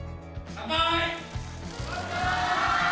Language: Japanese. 乾杯。